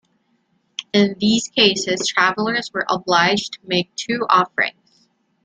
In these cases, travelers were obliged to make two offerings.